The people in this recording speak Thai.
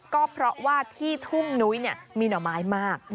ก็เพราะว่าที่ทุ่งนุ้ยมีหน่อไม้มาก